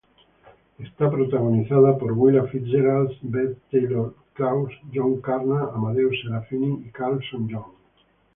Es protagonizada por Willa Fitzgerald, Bex Taylor-Klaus, John Karna, Amadeus Serafini y Carlson Young.